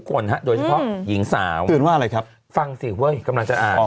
วันนี้อุฟก็ไปนั่งด้วยนะ